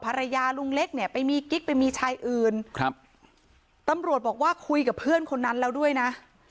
ลุงเล็กเนี่ยไปมีกิ๊กไปมีชายอื่นครับตำรวจบอกว่าคุยกับเพื่อนคนนั้นแล้วด้วยนะ